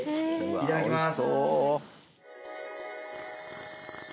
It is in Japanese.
いただきます。